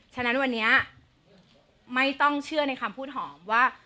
ฉะนั้นวันนี้ไม่ต้องเชื่อในคำพูดหอมว่า